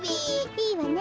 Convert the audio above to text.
いいわね。